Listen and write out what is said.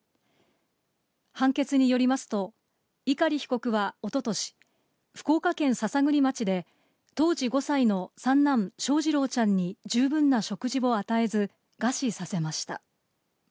判決によりますと、碇被告はおととし、福岡県篠栗町で、当時５歳の三男、翔士郎ちゃんに十分な食事を与えず、餓死させました。